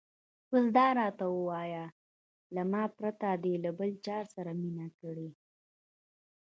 اوس دا راته ووایه، له ما پرته دې له بل چا سره مینه کړې؟